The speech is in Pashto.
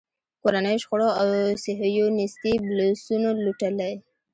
کورنیو شخړو او صیهیونېستي بلوسنو لوټلی.